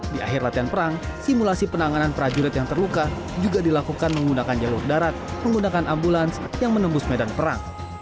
di akhir latihan perang simulasi penanganan prajurit yang terluka juga dilakukan menggunakan jalur darat menggunakan ambulans yang menembus medan perang